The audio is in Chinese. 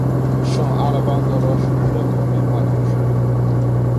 圣阿勒邦德罗什人口变化图示